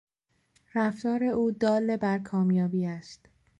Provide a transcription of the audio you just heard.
رفتار او دال بر کامیابی است.